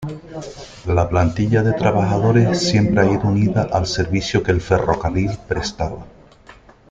La plantilla de trabajadores siempre ha ido unida al servicio que el ferrocarril prestaba.